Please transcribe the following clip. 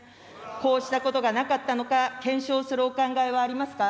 こうしたことがなかったのか、検証するお考えはありますか。